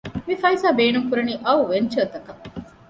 މި ފައިސާ ބޭނުން ކުރަނީ އައު ވެންޗަރތަކަށް